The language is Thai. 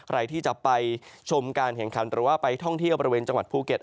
ใครที่จะไปชมการแข่งขันหรือว่าไปท่องเที่ยวบริเวณจังหวัดภูเก็ต